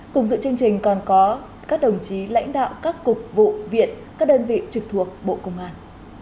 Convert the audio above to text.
cùng dự chương trình còn có các đồng chí lãnh đạo các cục vụ viện các đơn vị trực thuộc bộ công an